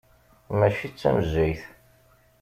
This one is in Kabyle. Mačči d tamejjayt.